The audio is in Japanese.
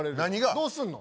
どうすんの？